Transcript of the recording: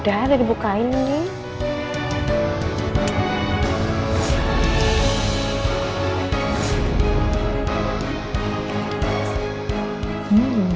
udah udah dibukain nih